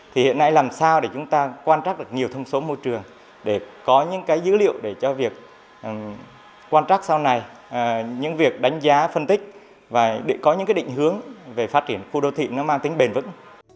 thì hiện nay làm sao để chúng ta quan trắc được nhiều thông số môi trường để có những cái dữ liệu để cho việc quan trắc sau này những việc đánh giá phân tích và để có những cái định hướng về phát triển khu đô thị nó mang tính bền vững